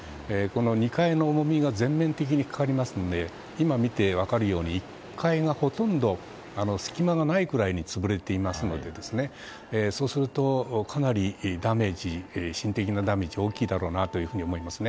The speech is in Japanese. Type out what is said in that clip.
２階の重みが全面的にかかりますので今見て分かるように、１階がほとんど隙間がないくらいに潰れていますのでそうすると、かなり身的なダメージが大きいだろうと思います。